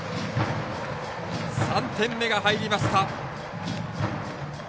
３点目が入りました。